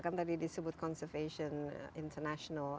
kan tadi disebut conservation international